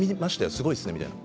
すごいっすね」みたいな。